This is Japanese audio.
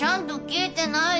聞いてない。